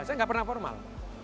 saya gak pernah formal